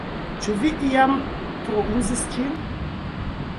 Ĉu vi iam trouzis ĝin?